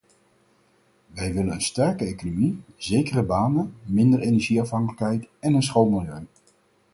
Wij willen een sterke economie, zekere banen, minder energieafhankelijkheid en een schoon milieu.